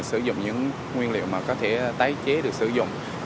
sử dụng những nguyên liệu mà có thể tái chế được sử dụng